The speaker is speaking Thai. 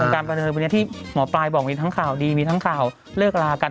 การประเดิมวันนี้ที่หมอปลายบอกมีทั้งข่าวดีมีทั้งข่าวเลิกลากัน